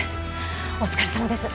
お疲れさまです。